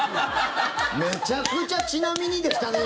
めちゃくちゃちなみに、でしたね！